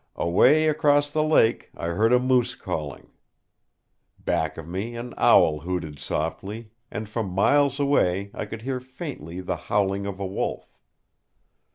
Away across the lake I heard a moose calling. Back of me an owl hooted softly, and from miles away I could hear faintly the howling of a wolf.